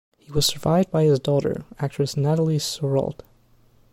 He was survived by his daughter, actress Nathalie Serrault.